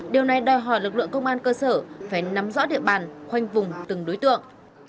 điều này đòi hỏi lực lượng công an cơ sở phải nắm rõ địa bàn khoanh vùng từng đối tượng